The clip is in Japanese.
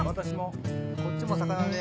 こっちも魚で。